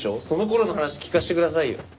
その頃の話聞かせてくださいよ。